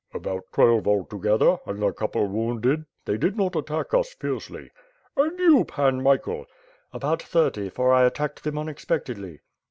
'^ "About twelve altogether, and a couple wounded. They did not attack us fiercely." "And you. Pan Michael?" "About thirty, for I attacked them unexpectedly."